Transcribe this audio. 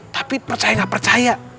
tapi percaya gak percaya